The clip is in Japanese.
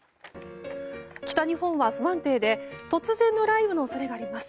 北日本は不安定で突然の雷雨の恐れがあります。